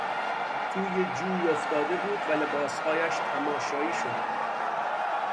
توی جوی افتاده بود و لباس هایش تماشایی شده بود.